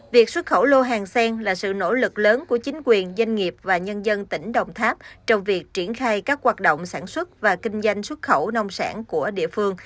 việc xuất khẩu lô hàng sen là sự nỗ lực lớn của chính quyền doanh nghiệp và nhân dân tỉnh đồng tháp trong việc triển khai các hoạt động sản xuất và kinh doanh xuất khẩu nông sản của địa phương